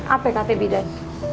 apa ya kt bidan